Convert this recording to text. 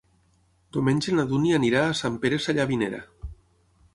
Diumenge na Dúnia anirà a Sant Pere Sallavinera.